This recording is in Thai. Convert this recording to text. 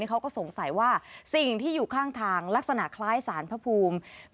เขาก็สงสัยว่าสิ่งที่อยู่ข้างทางลักษณะคล้ายสารพระภูมิ